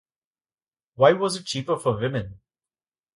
Why was it cheaper for women?